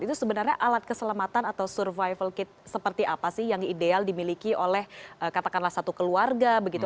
itu sebenarnya alat keselamatan atau survival kit seperti apa sih yang ideal dimiliki oleh katakanlah satu keluarga begitu